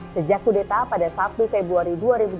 sejak kudeta pada satu februari